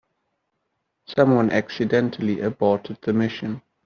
Someone accidentally aborted the mission.